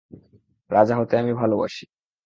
রাজা হতে আমি ভালোবাসি।